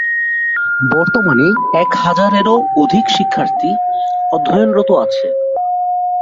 বর্তমানে এক হাজারেরও অধিক শিক্ষার্থী অধ্যয়নরত আছে।